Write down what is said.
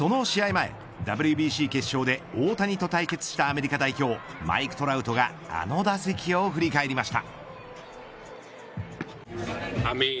前、ＷＢＣ決勝で大谷と対決したアメリカ代表マイク・トラウトがあの打席を振り返りました。